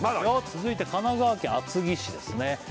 続いて神奈川県厚木市ですね